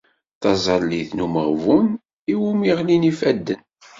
Taẓallit n umeɣbun iwumi i ɣlin yifadden.